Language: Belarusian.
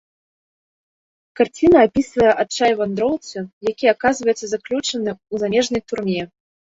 Карціна апісвае адчай вандроўцы, які аказваецца заключаны у замежнай турме.